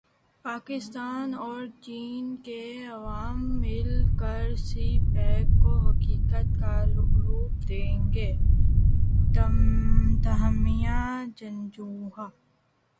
پاکستان اور چین کے عوام مل کر سی پیک کو حقیقت کا روپ دیں گے تہمینہ جنجوعہ